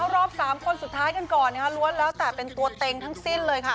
รอบ๓คนสุดท้ายกันก่อนนะคะล้วนแล้วแต่เป็นตัวเต็งทั้งสิ้นเลยค่ะ